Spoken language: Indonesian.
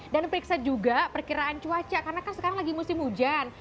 dan periksa juga perkiraan cuaca karena kan sekarang lagi musim hujan